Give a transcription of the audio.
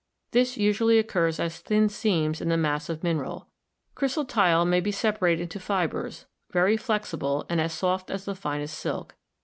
This usually occurs as thin seams in the massive mineral. Chrysotile may be separated into fibers, very flexible and as soft as the finest silk.